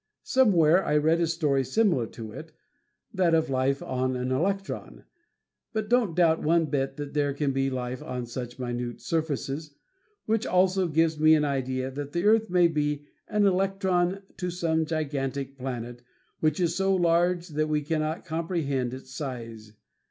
Somewhere I read a story similar to it that of life on an electron. I don't doubt one bit that there can be life on such minute surfaces, which also gives me an idea that the earth may be an electron to some gigantic planet which is so large that we cannot comprehend its size.